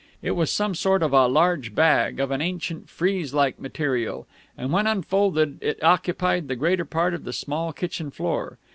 It was some sort of a large bag, of an ancient frieze like material, and when unfolded it occupied the greater part of the small kitchen floor.